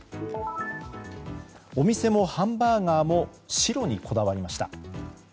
お店もハンバーガーも白にこだわりました。